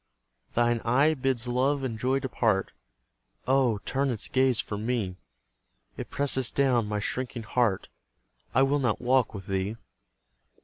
Thine eye bids love and joy depart: Oh, turn its gaze from me! It presses down my shrinking heart; I will not walk with thee!